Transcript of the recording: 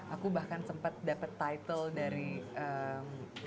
aku bahkan sempet dapet title dari eh